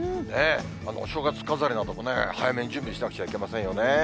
お正月飾りなどもね、早めに準備しなくちゃいけないですよね。